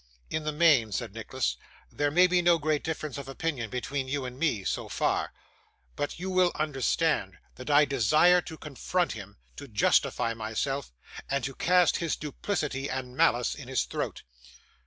'In the main,' said Nicholas, 'there may be no great difference of opinion between you and me, so far; but you will understand, that I desire to confront him, to justify myself, and to cast his duplicity and malice in his throat.